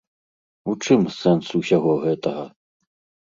У чым сэнс усяго гэтага?